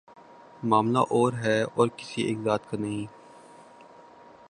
معاملہ اور ہے اور کسی ایک ذات کا نہیں۔